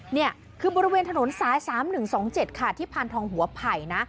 นี่คือบริเวณถนนสาย๓๑๒๗ค่ะที่พานทองหัวไผ่นะ